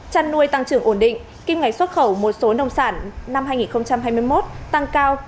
chăn nuôi tăng trưởng ổn định kim ngạch xuất khẩu một số nông sản năm hai nghìn hai mươi một tăng cao